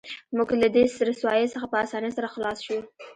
موږ له دې رسوایۍ څخه په اسانۍ سره خلاص شو